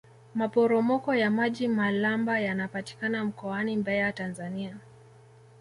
maporomoko ya maji malamba yanapatikana mkoani mbeya tanzania